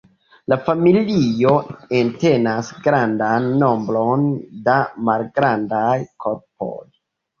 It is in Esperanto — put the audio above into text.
La familio entenas grandan nombron da malgrandaj korpoj.